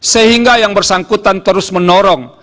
sehingga yang bersangkutan terus menorong